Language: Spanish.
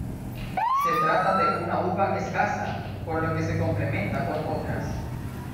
Se trata de una uva escasa, por lo que se complementa con otras.